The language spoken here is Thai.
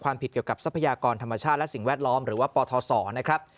เกี่ยวกับทรัพยากรธรรมชาติและสิ่งแวดล้อมหรือว่าปทศนะครับ